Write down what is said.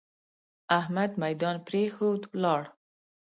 احمد ميدان پرېښود؛ ولاړ.